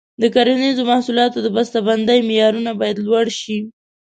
د کرنیزو محصولاتو د بسته بندۍ معیارونه باید لوړ شي.